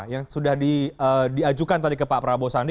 yang sudah diajukan tadi ke pak prabowo sandi